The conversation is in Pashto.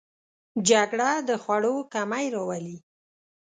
جګړه د خوړو کمی راولي